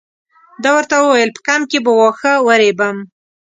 ده ورته وویل په کمپ کې به واښه ورېبم.